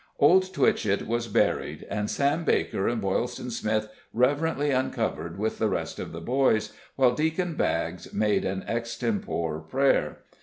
Old Twitchett was buried, and Sam Baker and Boylston Smith reverently uncovered with the rest of the boys, while Deacon Baggs made an extempore prayer.